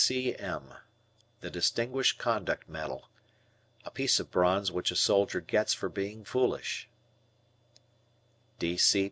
D.C.M. Distinguished Conduct Medal. A piece of bronze which a soldier gets for being foolish.